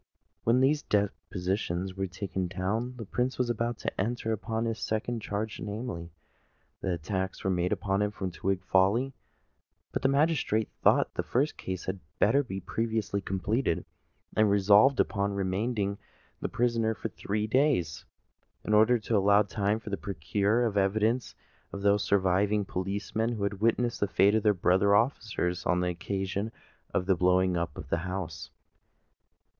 When these depositions were taken down, the Prince was about to enter upon his second charge—namely, the attack made upon him at Twig Folly: but the magistrate thought the first case had better be previously completed, and resolved upon remanding the prisoner for three days, in order to allow time to procure the evidence of those surviving policemen who had witnessed the fate of their brother officers on the occasion of the blowing up of the house.